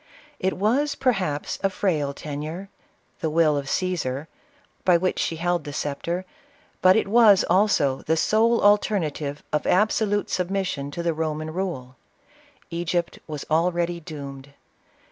It was, per haps, a frail tenure — the will of Cassar — by which she held the sceptre ; but it was, also, the sole alternative of absolute submission to the Roman rule. Egypt was already doomed.